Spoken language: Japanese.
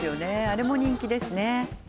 あれも人気です